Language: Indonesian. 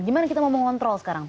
gimana kita mau mengontrol sekarang